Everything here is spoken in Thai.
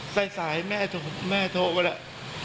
ใส่สายแม่โทรมาแล้ว